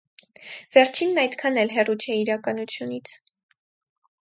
Վերջինն այդքան էլ հեռու չէ իրականությունից։